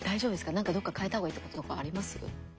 なんかどっか変えた方がいいとことかあります？